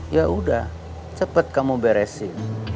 yaudah cepet kamu beresin